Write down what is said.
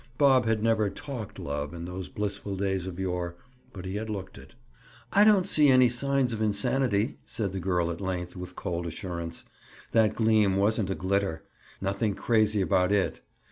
Bob had never talked love in those blissful days of yore, but he had looked it. "I don't see any signs of insanity," said the girl at length with cold assurance. That gleam wasn't a glitter. Nothing crazy about it!